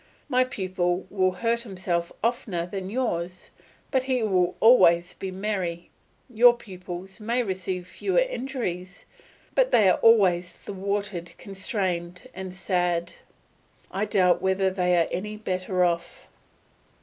My pupil will hurt himself oftener than yours, but he will always be merry; your pupils may receive fewer injuries, but they are always thwarted, constrained, and sad. I doubt whether they are any better off.